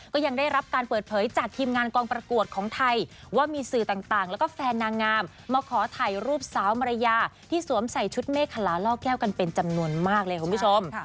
ก็ยังได้รับการเปิดเผยจากทีมงานกองประกวดของไทยว่ามีสื่อต่างแล้วก็แฟนนางงามมาขอถ่ายรูปสาวมารยาที่สวมใส่ชุดเมฆคลาล่อแก้วกันเป็นจำนวนมากเลยคุณผู้ชม